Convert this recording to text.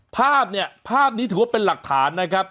ภาพเนี่ยภาพนี้ถือว่าเป็นหลักฐานนะครับ